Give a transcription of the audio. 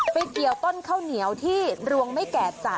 เกี่ยวต้นข้าวเหนียวที่รวงไม่แก่จ้ะ